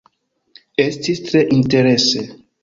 Estis tre interese